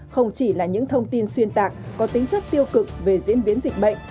không chỉ là những thông tin xuyên tạc có tính chất tiêu cực về diễn biến dịch bệnh